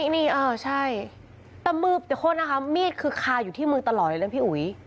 นี่เออใช่แต่มือแต่โคตรนะคะมีดคือคาอยู่ที่มือตลอดเลยนะพี่อุ๋ย